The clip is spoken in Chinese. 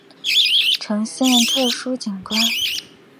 呈现特殊景观